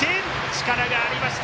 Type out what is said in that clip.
力がありました。